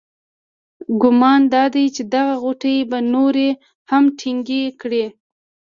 ګمان دادی چې دغه غوټې به نورې هم ټینګې کړي.